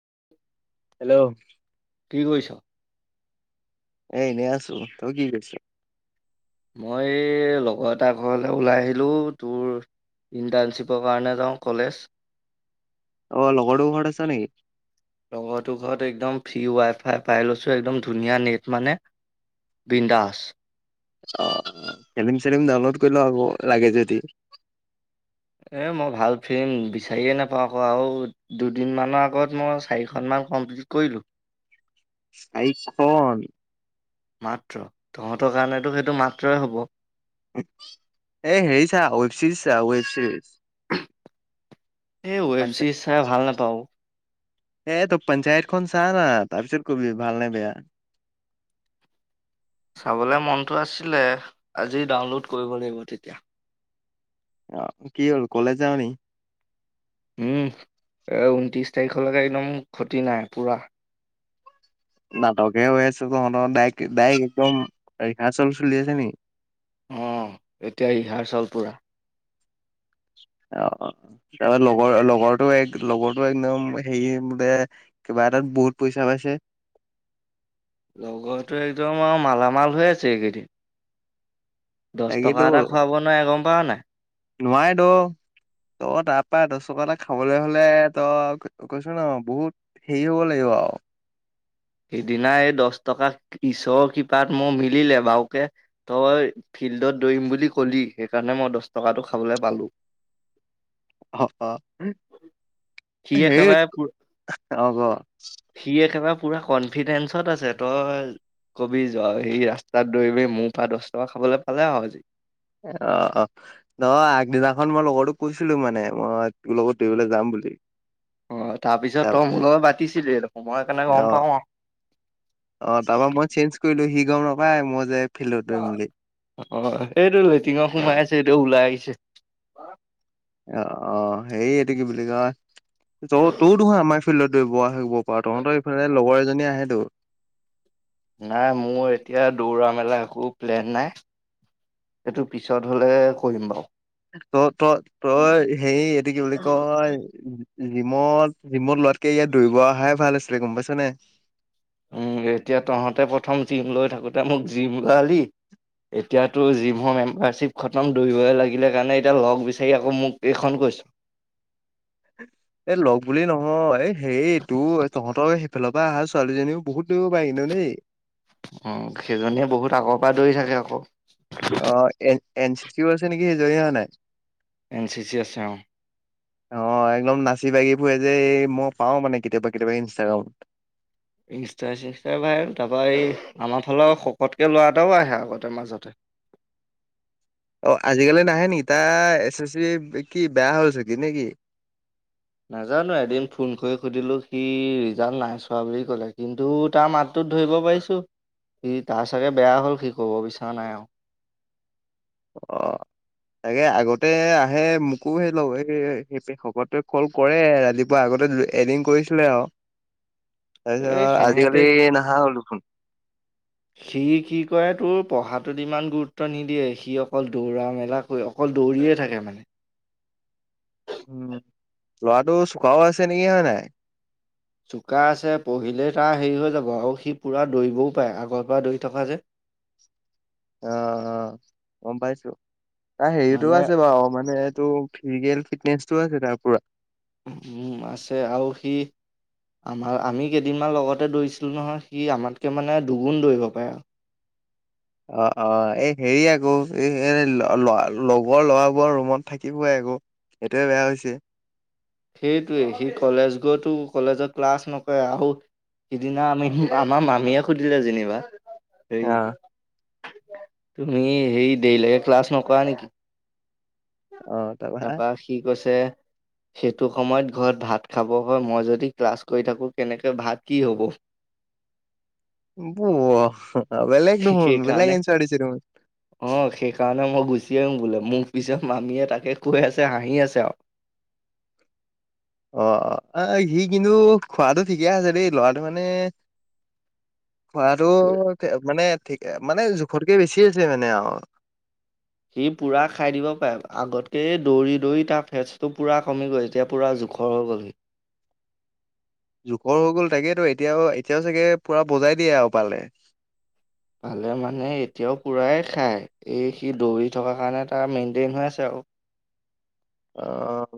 [inaudible] Hello কি কৰিছ? এনে আছো তই কি কৰিছ। মই লগৰ এটাৰ ঘৰল ওলাই আহিলোঁ তোৰ ইণ্টাৰ্ণশ্বিপৰ কাৰণে যাওঁ কলেজ। অ লগৰটো ঘৰত আছ নেকি? লগৰটো ঘৰত একদম ফি ৱাই ফাই পাই লৈছোঁ একদম ধুনীয়া নেট মানে বিন্দাছ। অ ফিলিম চিলিম ডাউনলোড কৰিল আক হ'ব লাগে যদি এ মই ভাল ফিল্ম বিচাৰিয়ে নাপাওঁ আকৌ আৰু দুদিন মানৰ আগত মই চাৰিখন মই কমপ্লিট কৰিলো। আইফোন,? মাত্ৰ তহঁতৰ কাৰণেতো সেইটো মাত্ৰই হব। এ হেৰি চা ৱেব চিৰিজ চা ৱেব চিৰিজ। এই ৱেব ছিৰিজ চাই ভাল নাপাওঁ অ। এই তো পঞ্চায়তখন চাহ না, তাৰপিছত কবি ভাল নে বেয়া? [inaudible] চাবলে মনটো আছিলে আজি ডাউনলোড কৰিব লাগিব তেতিয়া। আহ কি হ'ল কলেজ যাওঁ নি? উম এ ঊনত্ৰিশ তাৰিখলৈকে একদম ক্ষতি নাই পুৰা। নাটকে হৈ আছে তহঁতৰ দাইক ডাইক একদম ৰিহাৰ্চল চলি আছে নেকি? অ এতিয়া ৰিহাৰচল পুৰা। অ তাৰ লগৰ লগৰটো এক লগৰটো একদম হেৰি বোলে কিবা এটাত বহুত পইচা পাইছে। লগৰটো একদম আও মালামাল হৈ আছে এইকেইদিন। দচ টকা তাকেতো এটা খোৱাব নোৱাই গম পাৱ নাই। নোৱাই দো তই তাৰপৰা দছ টকা এটা খাবলৈ হলে তই কৈছো ন বহুত হেৰি হব লাগিব। যাওঁ। সিদিনা এই দহশ টকা ঈশ্বৰৰ কৃপাত মোৰ মিলিলে বউকে তই ফিল্ডত দৌৰিম বুলি ক'লি সেইকাৰণে মই দহ টকাটো খাবলে পালোঁ। অ অ। সি সেই একেবাৰে অ গ সি একেবাৰে পুৰা কনফিডেঞ্চত আছে তই। কবি যোৱা সি ৰাস্তাত দৌৰিব মোৰ পৰা দহ টকা খাবলৈ পালে আৰু। অ অ ন আগদিনাখন মই লগৰো কৈছিলো মানে মই তোৰ লগত দৌৰিবলে যাম বুলি। অ তাপিছত তাৰ তই মোৰ লগত পাতিছিলি দেখোন মই হেকাণে অ গম পাও আউ। অ তাৰপৰা মই চেঞ্জ কৰিলো সি গম নাপায় মই যে ফিল্ডত দৌৰিম বুলি অ এইটো লেটিঙত সোমাই আছে এইটো ওলাই আহিছে। অ অ সেইয়টো কি বুলি কয় ত তোৰ দেখোঁ আমাৰ ফিল্ডত দৌৰিব আহিব পাৰ তহঁতৰ এইফালে লগৰ এজনী আহেতো। নাই মোৰ এতিয়া দৌৰা মেলা একো প্লেন নাই। এইেইটো পিছত হলে কৰিম বাও। ত ত তই হেৰি এইটো কি বুলি কয় জিমত, জিমত লোৱাতকে ইয়াত দৌৰিব অহাই ভাল আছিলে গম পাইছ নে? উম এতিয়া তহঁতে প্ৰথম জিম লৈ থাকোতে মোক জিম লোৱালি এতিয়াতো জিমহৰ মেম্বাৰশ্বিপ খতম দৰিবই লাগিলে কাৰণে এতিয়া লগ বিচাৰি আকৌ মোক এইখন কৈছ। [inaudible] এ লগ বুলি নহয় হেই তোৰ তহঁতক ইফালৰ পৰা অহা ছোৱালীজনীও বহুত দৌৰিব পায় কিন্তু দেই। উ সেইজনীয়ে বহুত আগৰ পৰা দৌৰি থাকে আকৌ। অ এ এন চি চিউ আছে নেকি জৰি অহা নাই? এন চি চি আছে অ। অ একদম নাচি বাগি ফু যে মই পাও মানে কেতিয়াবা, কেতিয়াবা ইনষ্টাগ্ৰামত। ইনষ্টাই চিনতাই পাই তাৰপৰা এই আমাৰ ফালৰ শকতকে লৰা এটাও আহে আগতে মাজতে। [inaudible] অ আজিকালি নাহে নেকি তা এছ এছ বি কি বেয়া হল ছাগে নেকি? নাজানো এদিন ফোন কৰি সুধিলো সি ৰিজাল্ট নাই চোৱা বুলি কলে কিন্তু তাৰ মাততো ধৰিব পাৰিছো সি তাৰ চাগে বেয়া হ'ল সি ক'ব বিচৰা নাই আও। অ। তাকে আগতে আহে মোকো সেই লও এই সেই শকতে কল কৰে ৰাতিপুৱা আগতে ততে এদিন কৰিছিলে আৰু। [inaudible] এই তাৰপিছত সিহঁতে আজিকালি নহা হ'ল দেখোন। সি কি কয় তোৰ পঢ়াত ইমান গুৰুত্ব নিদিয়ে, সি অকল দৌৰা মেলাকৈ অকল দৌৰিয়ে থাকে মানে। উম লৰাটো চোকাও আছে নেকি হয় নাই? চোকা আছে পহিলেই তাৰ হেৰি হৈ যাব আৰু সি পুৰা দৌৰিবও পাৰে আগৰ পৰা দৌৰি থকা যে। [inaudible] অ অ গম পাইছো, তাৰ হেৰিটো মানে আছে বাৰু অ মানে ত ফিজিকেল ফিটনেচটো আছে তাৰ পুৰা। উম আছে আৰু সি আমাৰ আমি কেইদিনমান লগতে দৌৰিছিলোঁ নহয়, সি আমাতকে মানে দুগুণ দৌৰিব পাৰে। অ অ এই হেৰি আকৌ এ ল লগৰ লৰাবোৰ ৰুমত থাকিবই আকৌ। এইটোয়ে বেয়া হৈছে। সেইটোৱে সি কলেজ গৈতো কলেজত ক্লাছ নকৰে আহো সিদিনা আমি আমাৰ মামীয়ে সুধিলে যেনিবা সেই অ', তুমি সেই দেই লকে ক্লাছ নকৰা নেকি? তাৰপা তাৰপৰা সি কৈছে সেইটো সময়ত ঘৰত ভাত খাব হয় মই যদি ক্লাছ কৰি থাকোঁ কেনেকৈ ভাত কি হ'ব? [inaudible] প ব অ বেলেগ দেখোন বেলেগ সেইকাৰণে এঞ্চাৰ দিছে দেখোন। অ সেইকাৰণে মই গুচি আহোং বোলে। মোৰ পিছত মামীয়ে তাকে কৈ আছে হাঁহি আছে আৰু। অ সি কিন্তু খোৱাটো ঠিকে আছে দেই লৰাটো মানে [inaudible] খোৱাটো আৰু। মানে ঠিক মানে জোখতকে বেছি আছে মানে আৰু। সি পুৰা খাই দিব পাৰে আগতকে দৌৰি দৌৰি তাৰ ফেচটো পুৰা কমি গৈ এতিয়া পুৰা জিম খৰ হৈ গ'লহি। জোখৰ হৈ গ'ল তাকেই তো এতিয়াও, এতিয়াও চাগে পুৰা বজাই দিয়ে আৰু পালে। পালে মানে এতিয়াও পুৰাই খাই। এই সি দৌৰি থকাৰ অ অ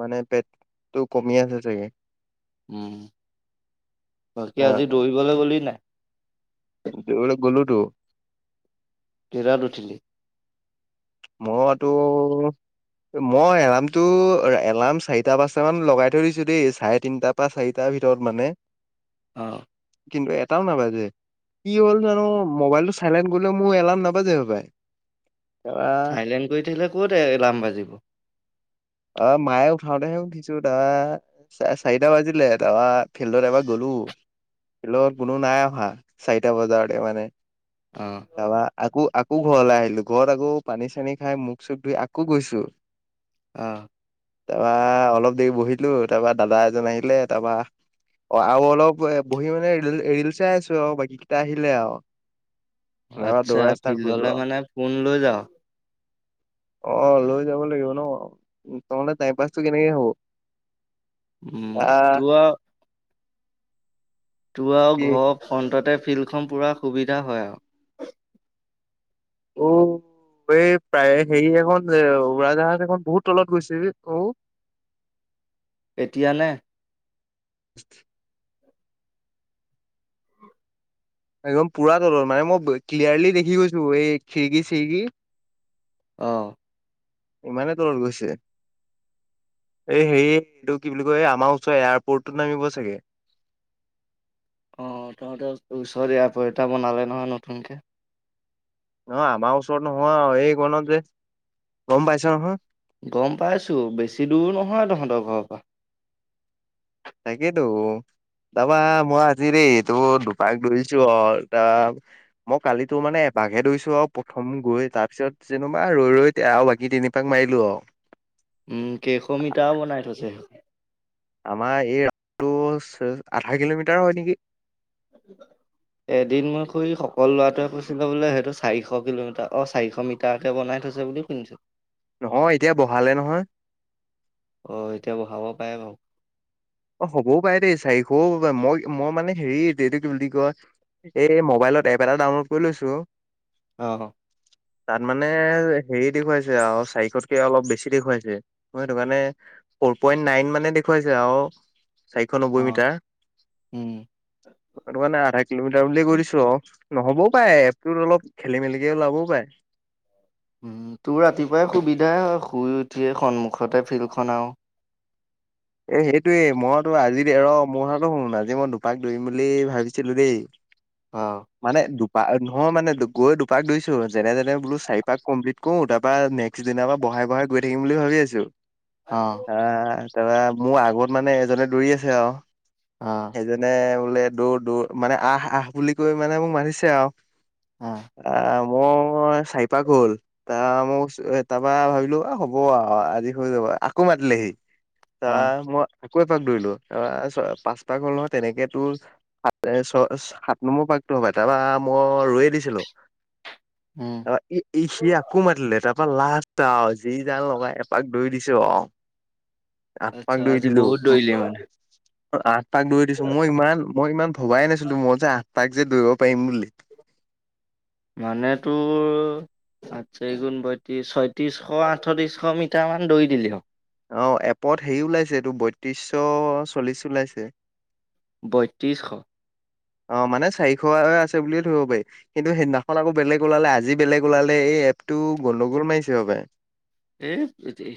মানে পেটটো কমি আছে চাগে। উম, বাকী আজি দৌৰিবলৈ গ'লি নাই? দৌৰিবলে গলোতো। তিৰাত উঠিলি? মইতো মই এলাৰ্মটো এলাৰ্ম চাৰিটা পাঁচটামান লগাই থৈ দিছো দেই চাৰে তিনটাৰ পৰা চাৰিটা ভিতৰত মানে। অ। কিন্তু এটাও নাবাজে কি হ'ল জানো মোবাইলটো চাইলেণ্ট গ'লেও মোৰ এলাৰ্ম নাবাজে হবাই। চাইলেণ্ড কৰি থাকিলে ক'ত এলাৰ্ম বাজিব। অ মায়ে উঠাওঁতেহে উঠিছো তা চা চাৰিটা বাজিলে তাৰপা ফিল্ডত এবাৰ গলো হু ফিলত কোনো নাই অহা চাৰিটা বজাৰতে মানে অ ত আক আ আকৌ ঘৰলে আহিলো ঘৰত আকৌ পানী চানী খাই মুখ চুখ ধুই আকৌ গৈছো। অ তাৰপৰা অলপ দেৰি বহিলো তাপা দাদা এজন আহিলে তাপা অ আউ অলপ এ বহি মানে ৰি ৰিলচ চাই আছো আউ বাকী কেইটা আহিলে আউ। আচ্ছা ফিল্ডলে মানে ফোন লৈ যাও। অ লৈ যাব লাগিব ন ত মানে টাইম পাচটো কেনেকে হ'ব। উম আহ তো আউ তোৰ আও কি ঘৰ ফ্ৰণ্টতে ফিল্ডখন পুৰা সুবিধা হয় আউ অ এই প্ৰায় হেৰি এখন উৰাজাহাজ এখন বহুত তলত গৈছে অ- এতিয়ানে [inaudible] একদম পুৰা তলৰ মানে মই ক্লিয়াৰলি দেখি গৈছো এই খিৰিকি চিৰিকি। আহ ইমানেই তলত গৈছে এই হে এইটো কি বুলি কয় আমাৰ ওচৰ এয়াৰপৰ্টত নামিব চাগে আহ তহঁতেৰ ওচৰ আ প এটা বনালে নহয় নতুনকে ন আমাৰ ওচৰত নহয় আৰু এই কনত যে গম পাইছা নহয়। গম পাইছো বেছি দূৰ নহয় তহঁতৰ ঘৰৰ পৰা তাকেইটো তাবা মই আজিৰে এইটো দুপাক ধৰিছো অ ত মই কালিতো মানে [unintelligible] বাঘে ধইছো আৰু প্ৰথম গৈ তাৰ পিছত যেনোবা ৰৈ ৰৈ আৰু বাকী তিনিপাক মাৰিলো আৰু উম কেশমিতাও বনাই থৈছে আমাৰ এই ৰাটো চ আধা কিলোমিটাৰ হয় নেকি উ এদিন মই খুৰি সকল ল'ৰাটোৱে কৈছিলো বোলে সেইটো চাৰিশ কিলোমিটাৰ অ চাৰিশ মিটাৰকে বনাই চাব বুলি শুনিছোঁ [unintelligible] [unintelligible] নহয় এতিয়া বহালে নহয়। আহ এতিয়া বহাব পাৰে বাৰু অ হ'বও পাৰে দেই চাৰিশও হ'ব পাৰে মই মই মানে হেৰি এইটো কি বুলি কয় এই মোবাইলত এপ এটা ডাউনলোড কৰি লৈছো আহ তাত মানে হেৰি দেখুৱাইছে আউ চাৰিকতকে অলপ বেছি দেখুৱাইছে ম সেইটো কাৰণে ফ'ৰ পইণ্ট নাইন মানে দেখুৱাইছে আৰু চাৰিশ নব্বৈ অ মিটাৰ উম মানে আধা কিলোমিটাৰ বুলিয়ে কৈ দিছো অ নহবও পাৰে এপটোত অলপ খেলি মেলিকে ওলাবও পায় তোৰ ৰাতিপুৱাই সুবিধাই হয় শুই উঠিয়ে সন্মুখতে ফিল্ডখন আও এ সেইটোয়ে মইতো আজি ৰ মোৰ কথা শুন আজি মই দুপাক দৌৰিম বুলি ভাবিছিলো দেই- অ', মানে দু পা নহয় মানে গৈ দুপাক দৈছো যেনে যেনে বোলো চাৰি পাক কমপ্লিট কও তাৰ পা নেক্সট দিনাৰ পৰা ব [unintelligible] বাই বহাই গৈ থাকিম বুলি ভাবি আছো অ', আহ তাৰপৰা মোৰ আগত মানে এজনে দৌৰি আছে আৰু অ', সেইজনে বোলে দৌৰ দৌৰ মানে আহ আহ বুলি কৈ মানে মোক মানিছে আৰু- [unintelligible] অ মোৰ চাৰি পাক হ'ল ত মোক তাৰ পৰা ভাবিলো হ'ব আৰু আজি হৈ যাব আকৌ মাতিল পালেহি অ', তাই মই আকৌ এপাক দৌৰিলো তাপা পাঁচ পাক হল নহয় তেনেক তো সাত ছ হাত নম্বৰ পাক [unintelligible] নহবা তাপা মই ৰয়ে দিছিলো উম। তাৰপা ই সি আকৌ মাতিলে তাৰ [unintelligible] এপাক লাষ্ট আও যি জান লগাই এপাক দৰি দিছো আহ [unintelligible] আঠপাক আচ্ছা দৰি আজি দিলো বহুত দৌৰিলি মানে, আঠ পাক দৌৰি দিছো মই ইমান মই ইমান ভবাই নাছিলো মই যে আঠ পাক যে দৌৰিব পাৰিম বুলি- মানে তোৰ আচছাগুণ বয়ত্ৰিশ ছয়ত্ৰিশ আঠত্ৰিশ মিটাৰ মান দৌৰি দিলি হ [unintelligible] অ এপত হেৰি ওলাইছে এইটো বত্ৰিশ চল্লিশ ওলাইছে [inaudible] অ মানে এপ টো গণ্ডগোল মাৰিছে হপাই- এই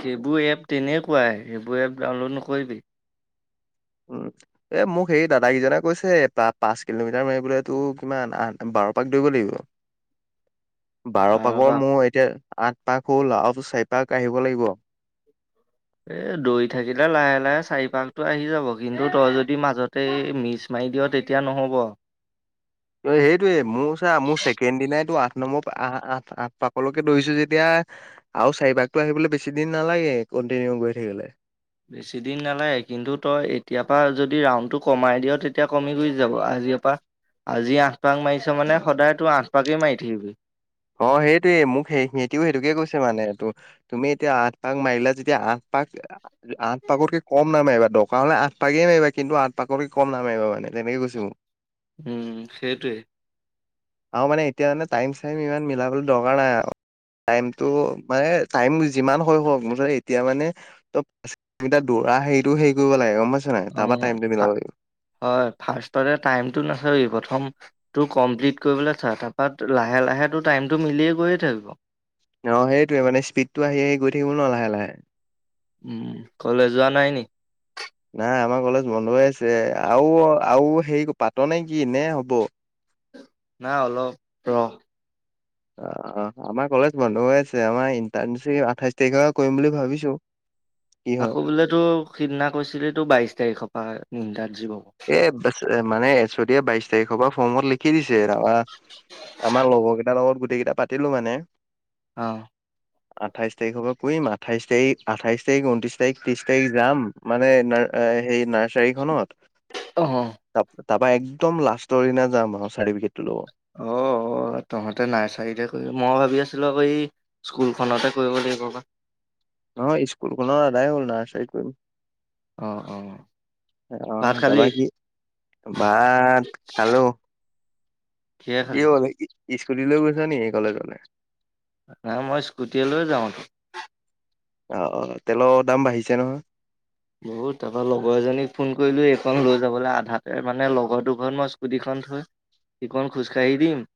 সেইবোৰ এপ তেনেকুৱাই সেইবোৰ এপ ডাউনলোড নকৰিবি। উম এ মোক সেই দাদা কেইজনে কৈছে পাঁচ কিলোমিটাৰ মাৰিবলৈতো কিমান- বাৰ পাক দৈব লাগিব। [inaudible] বাৰ পাকৰ মোৰ এতিয়া আঠ পাক হ'ল আউ আৰুটো চাইপাক আহিব লাগিব। এ দৰি থাকিলে লাহে লাহে চাৰি পশতটো আহি যাব কিন্তু তই যদি মাজতে এই মিচ ম- মাৰি দিয় তেতিয়া নহ'ব আও। অ সেইটোয়ে মোৰ চা মোৰ ছেকেণ্ড দিনাইতো আঠ নম্বৰ আঠ আঠ পাকলৈকে দৌৰিছো যেতিয়া আও চাৰিপাগতটো আহিবলৈ বেছি দিন নালাগে কন্টিনিউ গৈ থাকিলে। বেছি দিন নালাগে কিন্তু তই এতিয়া পা যদি ৰাউণ্ডটো কমাই দিয় তেতিয়া কমি গুছি যাব। আজিঅপা আজি আঠ পাক মাৰিছে মানে সদায় তোৰ আঠ পাকেই মাৰি থাকিবি। অ সেইটয়ে মোক সেই সিহঁটিও সেইটোকে কৈছে মানেটো তুমি এতিয়া আঠ পাাক মাৰিলা যেতিয়া আঠ পাক আঠ পাকৰকে কম নামাৰিবা দকা হলে আঠ পাকে মাৰিবা কিন্তু আঠ পাকৰকে কম নামাৰিবা মানে। এনেকে গৈছে মুক। উম সেইটোৱে। আৰু মানে এতিয়া জানে টাইম চাইম ইমান মিলাবলে দৰকাৰ নাই আৰু টাইমতটো মানে টাইম যিমান হয় হওক মুধৰে এতিয়া মানে ত পাঁচ কমিটাৰ দূৰ- পুৰা হেৰিটো হেৰি কৰিব লাগে গম নাই অ তাৰপৰা টাইমটো মিলাব লাগিব হয় ফাৰ্ষ্টততে টাইমটো নাচিবি প্ৰথম- তোৰ কমপ্লিট কৰিবলৈ চা তাৰপাত লাহে লাহে তোৰ টাইমটো মিলিয় গৈয়ে থাকিব। অ সেইটোৱে মানে স্পীডতটো আহি আহি গৈ থাকিব ন লাহে লাহে। উম কলে যোৱা নাই নি? নাই আমাৰ কলেজ বন্ধ হৈ আছে আৰু আৰু হেৰি পাত নে কি নে হ'ব? নাই অলপ ৰ অ অ আমাৰ কলেজ বন্ধ হৈ আছে, আমাৰ ইণ্টাৰ্ণশ্বিপ আঠাইশ তাৰিখৰ পৰা কৰিম বুলি ভাবিছো। কি হয়। আকৌ বোলে তো সিদিনা কৈছিল তো বাইশ তাৰিখৰ পৰা হয় ইট এ চ মানে চতি বাইশ তাৰিখৰ পৰা ফৰ্মত লিখি দিছে। আমাৰ লগৰ কেইটাৰ লগত গোটেই কেইটা পাতিলো মানে আহ। আঠাইছ তাৰিখৰ পৰা কৰিম, আঠাইছ তাৰিখ আঠাইছ তাৰিখ ঊনত্ৰিছ তাৰিখ ত্ৰিছ তাৰিখ যাম মানে। এ সেই নাৰ্চাৰীখনত আহ। তাৰ পৰা একদম লাষ্টৰ দিনা যাম আও চাৰ্টিফিকেটটো লব। অ। অ তহঁতে নাৰ্চাৰীতে কৰিবি। মই ভাবি আছিলোঁ আকৌ এই স্কুলখনতে কৰিব লাগিব আক। [inaudible] নহয় স্কুলখনৰ আধাই হ'ল নাচাইত কৰিম। অ অ। ভাত আহ খালি তাৰপৰা কি, ভাত খালো। কিহে কি খালি হ'ল স্কুতি লৈ গৈছা নি কলেজলে? নাই মই স্কুটিয়ে লৈ যাওঁত। অ অ তেলৰ দাম বাঢ়িছে নহয়। বহু‌ত তাৰপৰা লগৰ এজনীক ফোন কৰিলো এইখন লৈ যাবলৈ আধাতে মানে লগৰটো ঘৰত মই স্কুটিখন সিকন খোজকাাঢ়ি দিম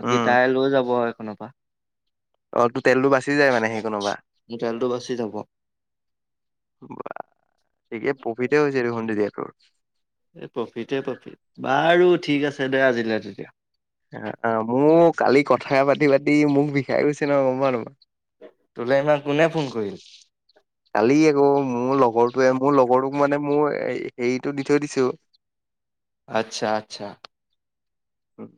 বাকী উম তাই লৈ যাব এখনৰ পা। অ তো তেলটো বাচি যায় মানে সেই কোনোবা। মোৰ তেলটো বাচি যাব বা ঠিকে প্ৰফিতে হৈছে দেখোন তেতিয়া তোৰ। এ প্ৰফিতে প্ৰফিট বাৰু ঠিক আছে দে আজিলে তেতিয়া। অ' - অ'। মোক কালি কথায়ে পাতি-পাতি মুখ বিষাই গৈছে নহয়, গম পাৱ নেপাৱ? তোলে ইমান কোনে ফোন কৰিল? কালি আকৌ মোৰ লগৰটোৱে, মোৰ লগৰটোক মানে মোৰ এই হেৰিটো দি থৈ দিছোঁ। আচ্ছা - আচ্ছা। উম।